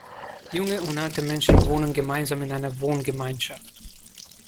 Junge und alte Menschen wohnen gemeinsam in einer Wohngemeinschaft.